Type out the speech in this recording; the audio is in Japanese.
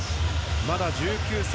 まだ１９歳。